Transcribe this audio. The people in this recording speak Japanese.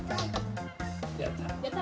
やった！